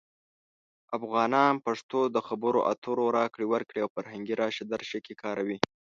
افغانان پښتو د خبرو اترو، راکړې ورکړې، او فرهنګي راشه درشه کې کاروي.